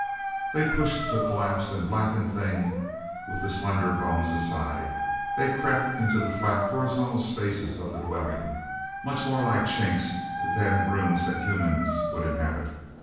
They pushed the collapsed and blackened thing with the slender bones, aside. They crept into the flat, horizontal spaces of the dwelling much more like chinks than the rooms that humans would inhabit.